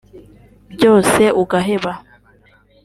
byose ugaheba